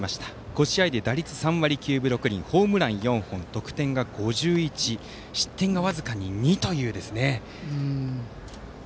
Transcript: ５試合で打率が３割９分６厘ホームラン４本、得点が５１失点が僅かに２ということで。